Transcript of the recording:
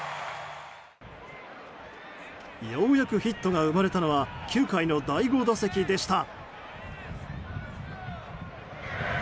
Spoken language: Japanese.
ようやくヒットが生まれたのは９回の第５打席でした。